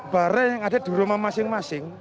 barang yang ada di rumah masing masing